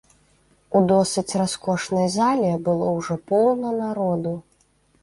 У досыць раскошнай зале было ўжо поўна народу.